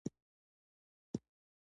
بشري پانګه احصایو لویه حذفي ده.